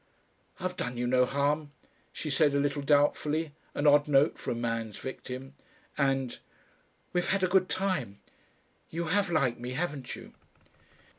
"I've done you no harm," she said a little doubtfully, an odd note for a man's victim! And, "we've had a good time. You have liked me, haven't you?"